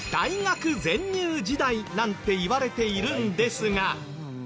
なんていわれているんですが。